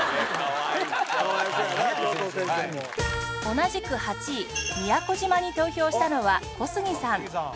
同じく８位宮古島に投票したのは小杉さん